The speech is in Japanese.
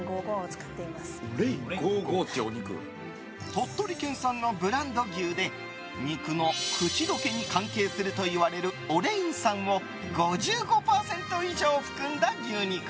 鳥取県産のブランド牛で肉の口溶けに関係するといわれるオレイン酸を５５％以上含んだ牛肉。